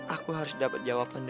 aku harus dapat jawabannya